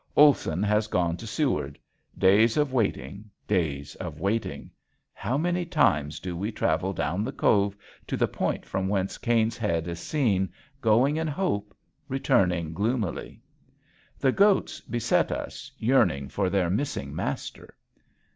Olson has gone to Seward: days of waiting, days of waiting! How many times do we travel down the cove to the point from whence Caine's Head is seen, going in hope, returning gloomily. The goats beset us yearning for their missing master.